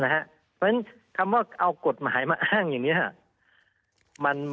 เพราะฉะนั้นคำว่าเอากฎหมายมาอ้างอย่างนี้